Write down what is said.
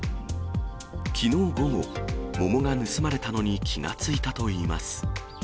きのう午後、桃が盗まれたのに気が付いたといいます。